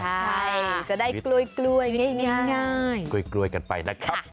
ใช่จะได้กล้วยง่ายกล้วยกันไปนะครับ